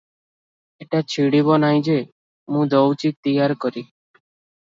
ଏଟା ଛିଡ଼ିବ ନାହିଁ ଯେ- ମୁଁ ଦଉଚି ତିଆର କରି ।"